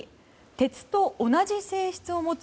鉄と同じ性質を持つ